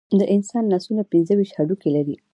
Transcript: د انسان لاسونه پنځه ویشت هډوکي لري.